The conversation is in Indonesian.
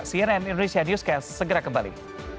cnn indonesia newscast segera kembali